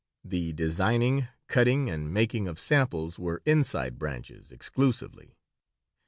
The designing, cutting, and making of samples were "inside" branches exclusively.